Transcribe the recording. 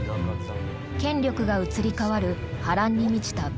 権力が移り変わる波乱に満ちた武士の世。